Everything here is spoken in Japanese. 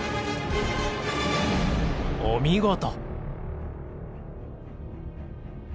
お見事！